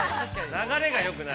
流れがよくない。